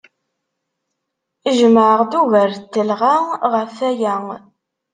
Jemɛeɣ-d ugar n telɣa ɣef waya.